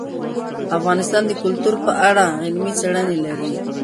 افغانستان د کلتور په اړه علمي څېړنې لري.